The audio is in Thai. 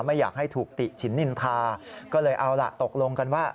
ไม่อยากให้ถูกติฉินนินทาก็เลยเอาล่ะตกลงกันว่า